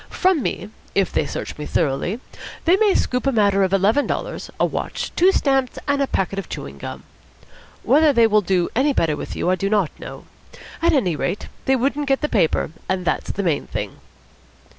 From me, if they search me thoroughly, they may scoop a matter of eleven dollars, a watch, two stamps, and a packet of chewing gum. Whether they would do any better with you I do not know. At any rate, they wouldn't get that paper; and that's the main thing."